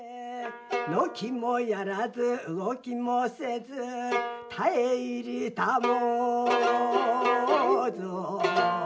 のきもやらず動きもせず絶え入りたもうぞ